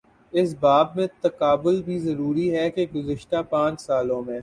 اس باب میں تقابل بھی ضروری ہے کہ گزشتہ پانچ سالوں میں